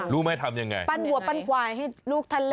รู้ไหมทำยังไงปั้นหัวปั้นควายให้ลูกทะเล